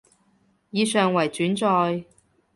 以上為轉載